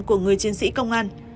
của người chiến sĩ công an